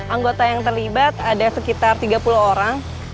anggota yang terlibat ada sekitar tiga puluh orang